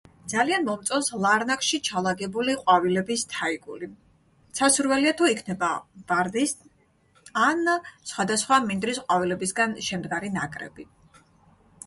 ძალიან მომწონს ლარნაკში ჩალაგებული ყვავილების თაიგული. სასურველია თუ იქნება ვარდის ან სხვადასხვა მინდვრის ყვავილებისგან შემდგარი ნაკრები.